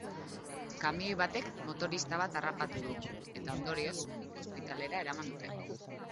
Kamioi batek motorista bat harrapatu du eta, ondorioz, ospitalera eraman dute.